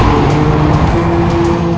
ya berlipat lipat lah